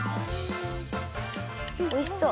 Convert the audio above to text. おいしそう！